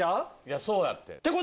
そうやて。